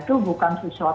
kalau dari analisis anda